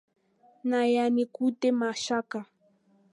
Na yanikute mashaka.